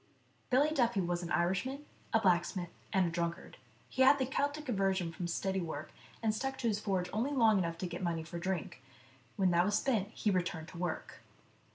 BILLY DUFFY was an Irishman, a blacksmith, and a drunkard. He had the Keltic aversion from steady work, and stuck to his forge only long enough to get money for drink ; when that was spent, he returned to work.